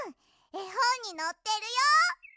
えほんにのってるよ。